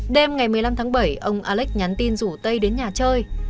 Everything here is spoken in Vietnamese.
đêm ngày một mươi năm tháng bảy ông alex nhắn tin rủ tây đến nhà chơi